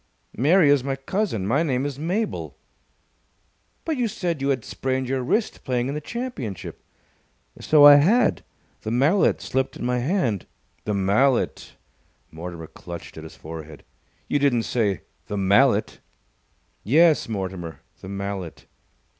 "Mary is my cousin. My name is Mabel." "But you said you had sprained your wrist playing in the championship." "So I had. The mallet slipped in my hand." "The mallet!" Mortimer clutched at his forehead. "You didn't say 'the mallet'?" "Yes, Mortimer! The mallet!"